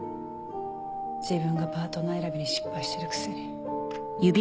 自分がパートナー選びに失敗してるくせに。